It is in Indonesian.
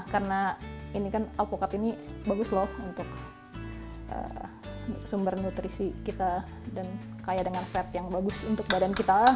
karena ini kan alpukat ini bagus loh untuk sumber nutrisi kita dan kaya dengan fat yang bagus untuk badan kita